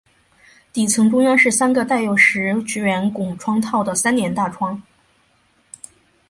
底层中央是三个带有石圆拱窗套的三联大窗。